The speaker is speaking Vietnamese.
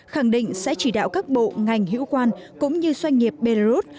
khẳng định sẽ chỉ đạo các bộ ngành hữu quan cũng như doanh nghiệp belarus